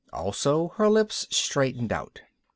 Also her lips straightened out.